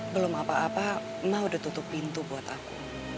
belum apa apa mah udah tutup pintu buat aku